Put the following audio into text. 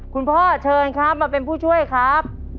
เชิญครับมาเป็นผู้ช่วยครับ